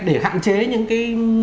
để hạn chế những cái